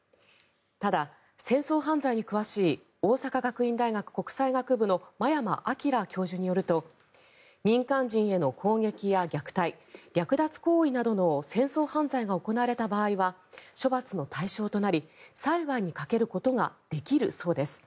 ただ、戦争犯罪に詳しい大阪学院大学国際学部の真山全教授によると民間人への攻撃や虐待略奪行為などの戦争犯罪が行われた場合は処罰の対象となり裁判にかけることができるそうです。